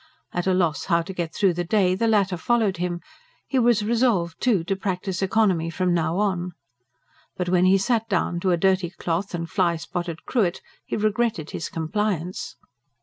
At a loss how to get through the day, the latter followed him he was resolved, too, to practise economy from now on. But when he sat down to a dirty cloth and fly spotted cruet he regretted his compliance.